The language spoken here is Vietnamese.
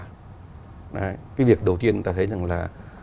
cái việc đầu tiên người ta thấy rằng là